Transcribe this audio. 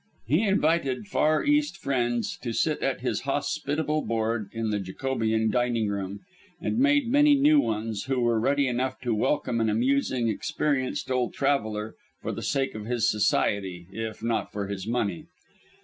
He invited Far East friends to sit at his hospitable board in the Jacobean dining room, and made many new ones, who were ready enough to welcome an amusing, experienced old traveller for the sake of his society if not of his money.